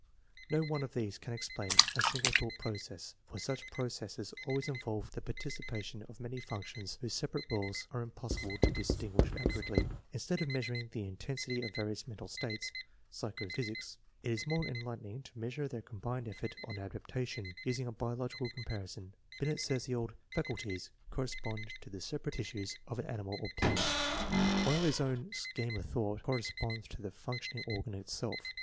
No one of these can explain a single thought process, for such process always involves the participation of many functions whose separate rdles are impossible to distin guish accurately. Instead of measuring the intensity of various mental states (psycho physics), it is more enlight 44 THE MEASUREMENT OF INTELLIGENCE oning to measure their combined effect on adaptation. Using a biological comparison, Binet says the old " faculties " correspond to the separate tissues of an animal or plant, while his own " scheme of thought " corresponds to the functioning organ itself.